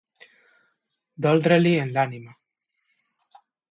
Doldre-l'hi en l'ànima.